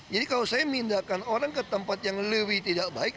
jadi kalau saya mindakan orang ke tempat yang lebih tidak baik